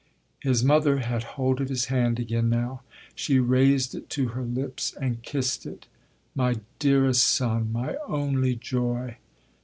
His mother had hold of his hand again now: she raised it to her lips and kissed it. "My dearest son, my only joy!"